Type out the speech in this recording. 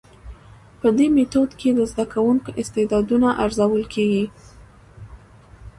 په دي ميتود کي د زده کوونکو استعدادونه ارزول کيږي.